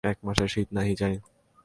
এক মাঘে শীত নাহি যায়।